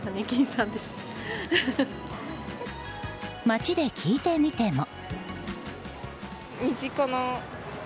街で聞いてみても。